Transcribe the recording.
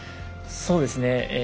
そうですね。